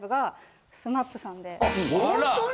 ホントに？